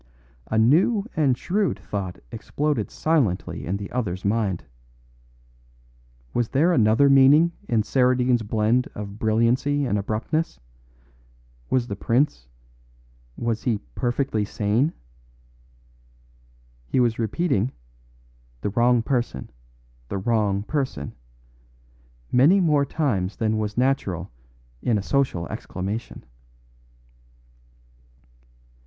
A new and shrewd thought exploded silently in the other's mind. Was there another meaning in Saradine's blend of brilliancy and abruptness? Was the prince Was he perfectly sane? He was repeating, "The wrong person the wrong person," many more times than was natural in a social exclamation.